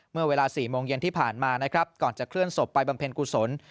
เมื่อเวลา๔โมงเย็นที่ผ่านมานะครับก่อนจะเคลื่อนศพไปบำเพ็ญกุศล